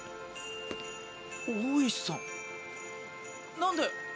大石さんなんで？